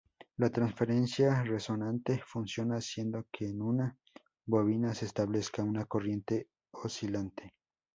La transferencia resonante funciona haciendo que en una bobina se establezca una corriente oscilante.